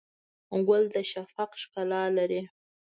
ګل د شفق ښکلا لري.